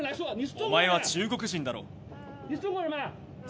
お前は中国人だろ！